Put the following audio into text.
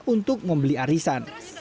untuk membeli arisan